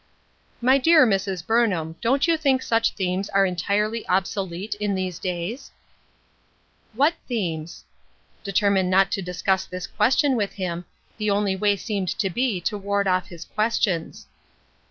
" My dear Mrs. Burnham, don't you think such themes are entirely obsolete, in these days ?" "What themes?" Determined not to discuss this question with him, the only way seemed to be to ward off his questions.